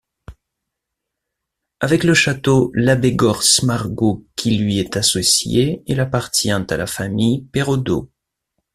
Avec le château Labégorce-Margaux qui lui est associé, il appartient à la famille Perrodo.